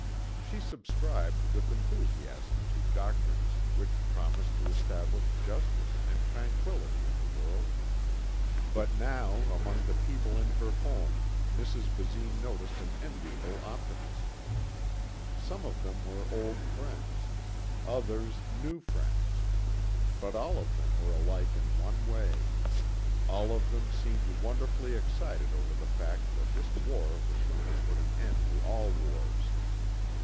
She subscribed with enthusiasm to doctrines which promised to establish justice and tranquility in the world. But now among the people in her home Mrs. Basine noticed an enviable optimism. Some of them were old friends, others new friends. But all of them were alike in one way. All of them seemed wonderfully excited over the fact that this war was going to put an end to all wars.